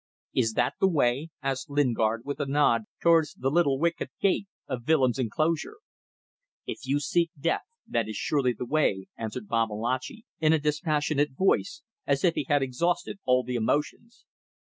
"Is that the way?" asked Lingard with a nod towards the little wicket gate of Willems' enclosure. "If you seek death, that is surely the way," answered Babalatchi in a dispassionate voice, as if he had exhausted all the emotions.